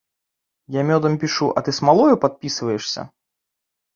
Я мёдам пішу, а ты смалою падпісваешся?